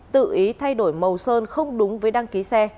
tự ý thay đổi màu sơn không đúng với đăng ký xe